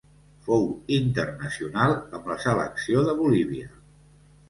Fou internacional amb la selecció de Bolívia.